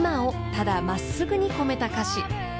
ただ真っすぐに込めた歌詞］